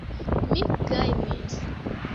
Mi gajnis!